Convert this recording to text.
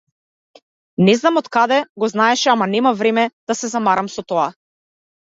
Не знам од каде го знаеше ама немав време да се замарам со тоа.